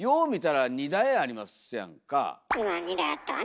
今２台あったわね。